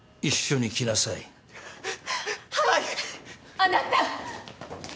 あなた！